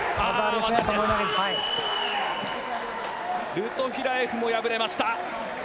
ルトフィラエフも敗れました。